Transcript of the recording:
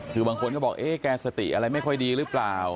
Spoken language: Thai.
คือบางคนก็บอกเอ๊ะแกสติอะไรไม่ค่อยดีหรือเปล่า